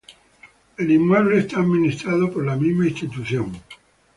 El inmueble es administrado por la misma institución.